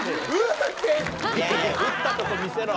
いやいや打ったとこ見せろ。